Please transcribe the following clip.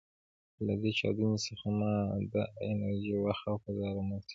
له دې چاودنې څخه ماده، انرژي، وخت او فضا رامنځ ته شول.